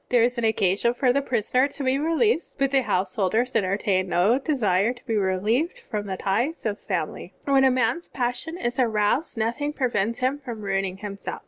There is an occasion for the prisoner to be released, but householders enter tain no desire to be reUeved from the ties of family. When a man's passion is aroused noth ing prevents him from ruining himself.